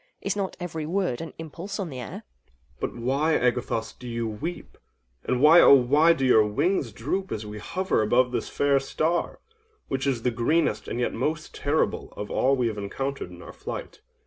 Is not every word an impulse on the air? OINOS. But why, Agathos, do you weep—and why, oh why do your wings droop as we hover above this fair star—which is the greenest and yet most terrible of all we have encountered in our flight?